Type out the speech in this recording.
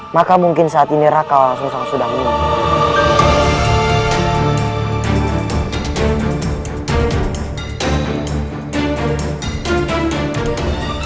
maka mungkin saat ini raka walang sungsang sudah meninggal